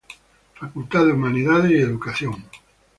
Facultad de Humanidades y Educación.